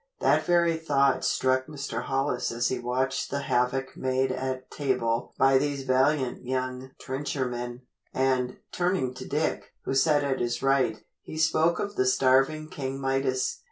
That very thought struck Mr. Hollis as he watched the havoc made at table by these valiant young trenchermen, and, turning to Dick, who sat at his right, he spoke of the starving King Midas.